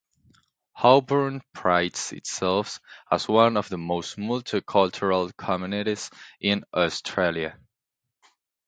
Auburn prides itself as one of the most multicultural communities in Australia.